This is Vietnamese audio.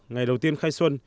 ngày đầu tiên khai xuân